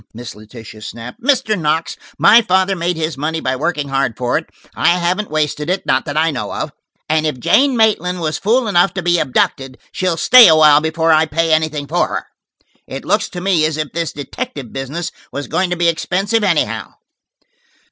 Miss Letitia snapped. "Mr. Knox, my father made his money by working hard for it: I haven't wasted it–not that I know of. And if Jane Maitland was fool enough to be abducted, she'll stay awhile before I pay anything for her. It looks to me as if this detective business was going to be expensive, anyhow."